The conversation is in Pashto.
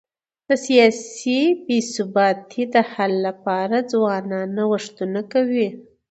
د سیاسي بي ثباتی د حل لپاره ځوانان نوښتونه کوي.